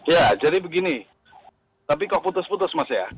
ya jadi begini tapi kok putus putus mas ya